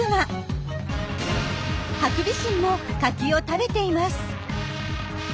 ハクビシンもカキを食べています。